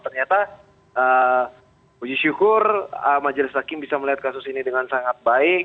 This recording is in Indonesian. ternyata puji syukur majelis hakim bisa melihat kasus ini dengan sangat baik